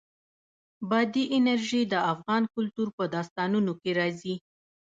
بادي انرژي د افغان کلتور په داستانونو کې راځي.